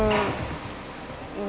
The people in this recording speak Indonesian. gak usah dihuteng